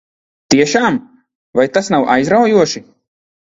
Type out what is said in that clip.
Tiešām? Vai tas nav aizraujoši?